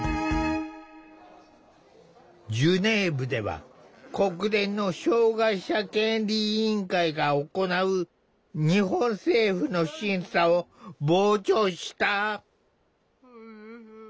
ジュネーブでは国連の障害者権利委員会が行う日本政府の審査を傍聴した。